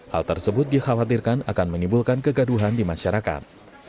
hal tersebut dikhawatirkan akan menimbulkan kegaduhan di masyarakat